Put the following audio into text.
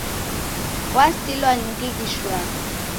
Wasilwa ni ndighi shwaa.